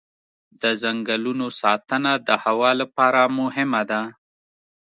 د ځنګلونو ساتنه د هوا لپاره مهمه ده.